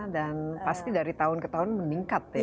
dan pasti dari tahun ke tahun meningkat ya